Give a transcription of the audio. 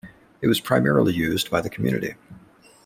It was primarily used by the community.